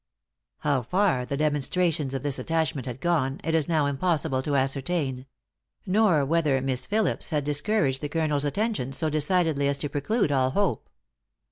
How far the demonstrations of this attachment had gone, it is now impossible to ascertain; nor whether Miss Philipse had discouraged the Colonel's attentions so decidedly as to preclude all hope.